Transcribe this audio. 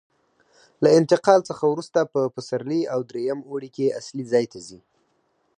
له انتقال څخه وروسته په پسرلي او درېیم اوړي کې اصلي ځای ته ځي.